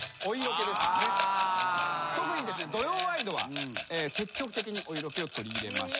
特に『土曜ワイド』は積極的にお色気を取り入れました。